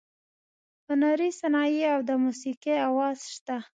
هنري صنایع او د موسیقۍ اواز شته.